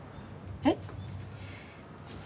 えっ？